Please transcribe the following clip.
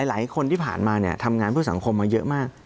หลายคนที่ผ่านมาทำงานเพื่อสังคมมาเยอะมาก